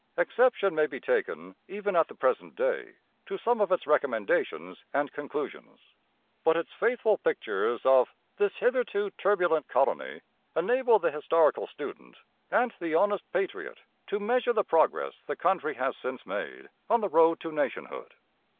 Exception may be taken, even at the present day, to some of its recommendations and conclusions. But its faithful pictures of 'this hitherto turbulent colony' enable the historical student and the honest patriot to measure the progress the country has since made on the road to nationhood.